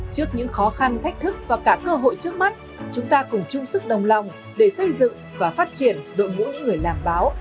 trước những khó khăn thách thức và cả cơ hội trước mắt chúng ta cùng chung sức đồng lòng để xây dựng và phát triển đội ngũ người làm báo